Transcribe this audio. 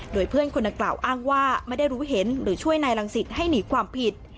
โดยเพื่อนคนดังกล่าวอ้างว่าไม่ได้รู้เห็นหรือช่วยนายรังสิตให้หนีความผิด